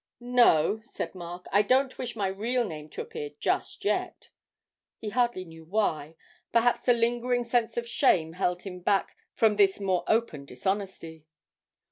'No,' said Mark, 'I don't wish my real name to appear just yet' (he hardly knew why; perhaps a lingering sense of shame held him back from this more open dishonesty).